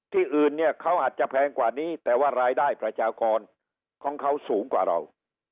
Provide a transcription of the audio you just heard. ที่อื่นเนี่ยเขาอาจจะแพงกว่านี้แต่ว่ารายได้ประชากรของเขาสูงกว่าเรา